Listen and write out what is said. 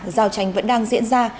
giao tranh vẫn đang diễn ra